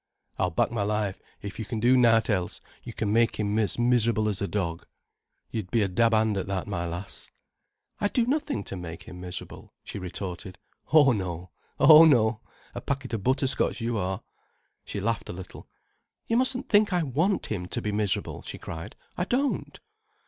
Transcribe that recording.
"I'll back my life, if you can do nowt else, you can make him as miserable as a dog. You'd be a dab hand at that, my lass." "I do nothing to make him miserable," she retorted. "Oh no—oh no! A packet o' butterscotch, you are." She laughed a little. "You mustn't think I want him to be miserable," she cried. "I don't."